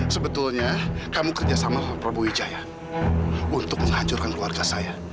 sebetulnya kamu kerjasama dengan prabowo wijaya untuk menghancurkan keluarga saya